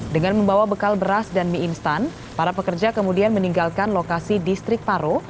dengan membawa bekal beras dan mie instan para pekerja kemudian meninggalkan lokasi distrik paro